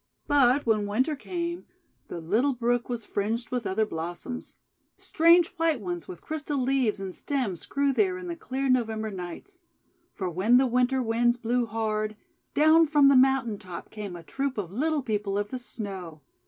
But when Winter came, the little brook was fringed with other blossoms. Strange white ones with crystal leaves and stems grew there in the clear November nights. For when the Winter Winds blew hard, down from the mountain top came a troop of Little People of the Snow.